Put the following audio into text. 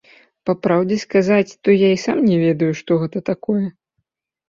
Па праўдзе сказаць, то і я сам не ведаю, што гэта такое.